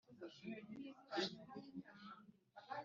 yahanaguye pah nini n'inkuba zayo zikubita